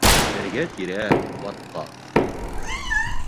Эргә-тирә батҡаҡ.